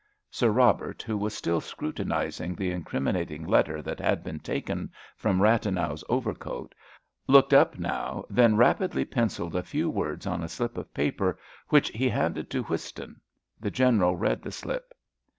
Sir Robert, who was still scrutinising the incriminating letter that had been taken from Rathenau's overcoat, looked up now, then rapidly pencilled a few words on a slip of paper which he handed to Whiston. The General read the slip.